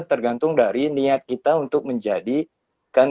tergantung dari niat kita untuk menjadikan